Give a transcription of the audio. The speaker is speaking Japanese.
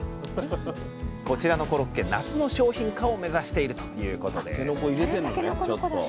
こちらのコロッケ夏の商品化を目指しているということです